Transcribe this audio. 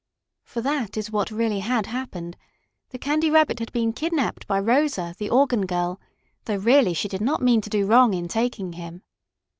For that is what really had happened the Candy Rabbit had been kidnapped by Rosa, the organ girl, though, really, she did not mean to do wrong in taking him.